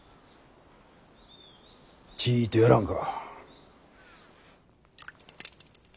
ちいっとやらんか？